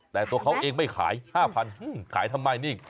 แต่ตัวเขาเองไม่ขาย๕๐๐ขายทำไมนี่